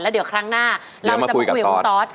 เดี๋ยวครั้งหน้าเราจะไปคุยกับคุณตอส